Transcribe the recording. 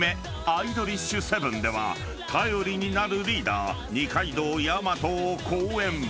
『アイドリッシュセブン』では頼りになるリーダー二階堂大和を好演］